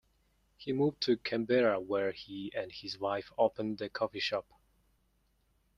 He moved to Canberra where he and his wife opened a coffee shop.